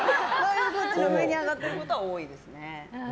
上に上がってることは多いですね。